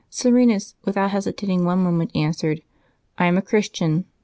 '' Serenus, without hesitating one moment, answered, "I am a Christian.